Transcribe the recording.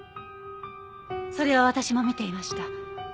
それは私も見ていました。